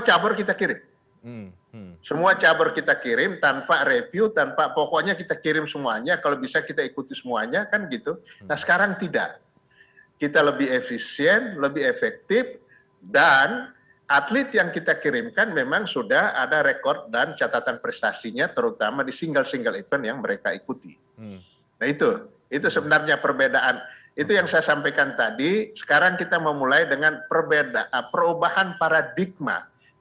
cabar kita kirim semua cabar kita kirim tanpa review tanpa pokoknya kita kirim semuanya kalau bisa kita ikuti semuanya kan gitu nah sekarang tidak kita lebih efisien lebih efektif dan atlet yang kita kirimkan memang sudah ada rekod dan catatan prestasinya terutama di single single event yang mereka ikuti nah itu itu sebenarnya perbedaan itu yang saya sampaikan tadi sekarang kita memulai dengan perubahan paradigma yang kita lakukan